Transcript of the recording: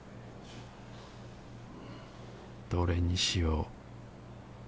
どれにしよう？